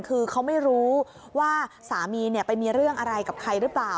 คือเขาไม่รู้ว่าสามีไปมีเรื่องอะไรกับใครหรือเปล่า